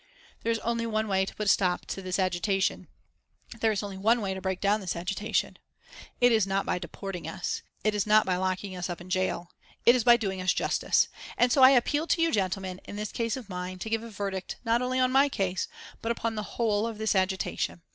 "There is only one way to put a stop to this agitation; there is only one way to break down this agitation. It is not by deporting us, it is not by locking us up in gaol; it is by doing us justice. And so I appeal to you gentlemen, in this case of mine, to give a verdict, not only on my case, but upon the whole of this agitation.